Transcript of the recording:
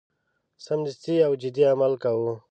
سمدستي او جدي عمل کاوه.